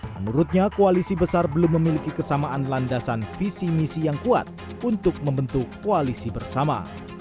menurutnya koalisi besar belum memiliki kesamaan landasan visi misi yang kuat untuk membentuk koalisi bersama